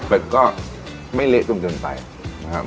เป็นก็ไม่เละจนเกินไปนะครับ